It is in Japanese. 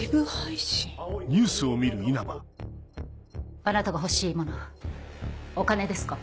あなたが欲しいものお金ですか？